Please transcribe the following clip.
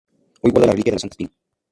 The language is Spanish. Hoy guarda la reliquia de la Santa Espina.